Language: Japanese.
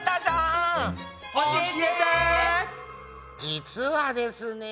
実はですね